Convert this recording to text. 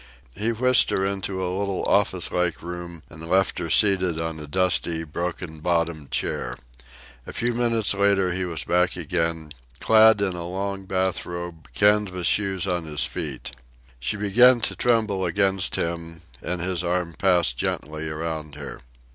He whisked her into a little office like room and left her seated on a dusty, broken bottomed chair. A few minutes later he was back again, clad in a long bath robe, canvas shoes on his feet. She began to tremble against him, and his arm passed gently around her.